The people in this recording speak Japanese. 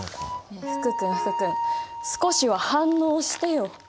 ねえ福君福君少しは反応してよ。